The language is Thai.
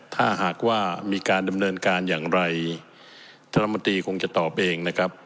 ถ้าหากว่ามีการดำเนินการอย่างไรท่านรัฐมนตรีคงจะตอบเองนะครับ